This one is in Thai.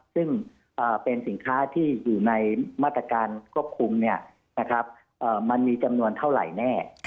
ซึ่งเป็นสินค้าที่อยู่ในมาตรการควบคุมมันมีจำนวนเท่าไหร่แน่